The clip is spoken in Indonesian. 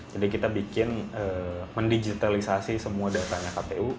jadi kita bikin mendigitalisasi semua datanya kpu